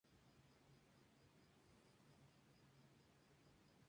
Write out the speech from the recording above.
Estos dañan la capa de ozono.